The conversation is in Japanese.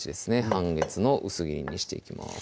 半月の薄切りにしていきます